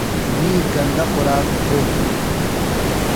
نی گندہ خوراک کھولوۡ ہِنوۡ۔